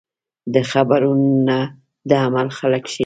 د خبرو نه د عمل خلک شئ .